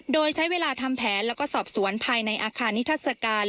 โดยใช้เวลาทำแผนแล้วก็สอบสวนภายในอาคารนิทัศกาล